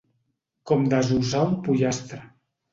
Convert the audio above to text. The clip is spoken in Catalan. Com desossar un pollastre.